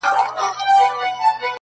تر اوسه یې د سرو لبو یو جام څکلی نه دی،